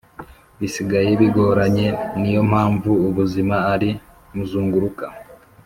Bisigaye bigoranye niyompamvu ubuzima ari muzunguruka